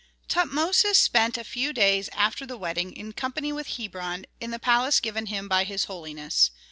Tutmosis spent a few days after the wedding in company with Hebron, in the palace given him by his holiness.